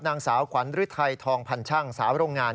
นางสาวขวัญฤทัยทองพันช่างสาวโรงงาน